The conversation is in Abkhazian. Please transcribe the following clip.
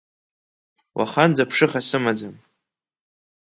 Уаханӡа ԥшыха сымаӡам…